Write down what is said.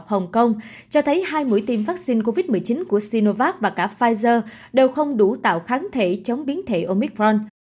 hồng kông cho thấy hai mũi tiêm vaccine covid một mươi chín của sinovac và cả pfizer đều không đủ tạo kháng thể chống biến thể omicron